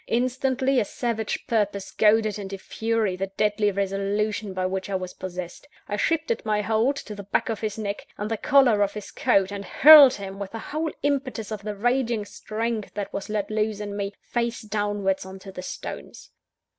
Instantly, a savage purpose goaded into fury the deadly resolution by which I was possessed. I shifted my hold to the back of his neck, and the collar of his coat, and hurled him, with the whole impetus of the raging strength that was let loose in me, face downwards, on to the stones.